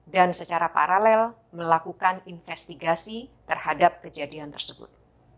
dan secara paralel melakukan investigasi terhadap kejadian tersebut